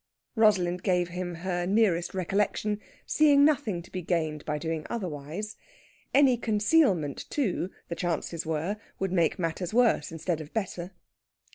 Rosalind gave him her nearest recollection, seeing nothing to be gained by doing otherwise. Any concealment, too, the chances were, would make matters worse instead of better.